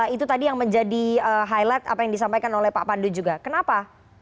itu tadi yang menjadi highlight apa yang disampaikan oleh pak pandu juga kenapa